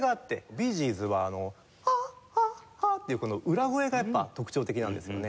ビー・ジーズは「Ａｈｈａｈａ」っていうこの裏声がやっぱり特徴的なんですよね。